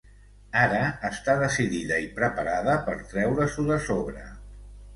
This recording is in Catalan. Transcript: Ara està decidida i preparada per treure-s'ho de sobre.